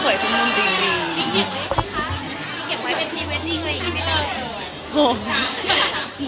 พี่เกียจไว้ไหมคะที่เกียจไว้ไว้เผติเวทิย์เลยอีกไม่ได้หรอ